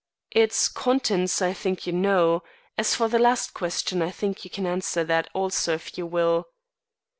"Its contents I think you know. As for the last question I think you can answer that also if you will."